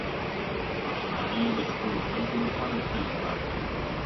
پښتانه د خپلو خلکو لپاره تل کار کوي.